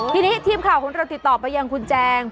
ทีนี้ทีมข่าวของเราติดต่อไปยังคุณแจง